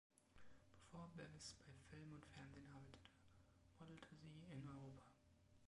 Bevor Bevis bei Film und Fernsehen arbeitete, modelte sie in Europa.